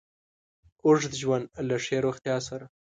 اوږد ژوند له له ښې روغتیا سره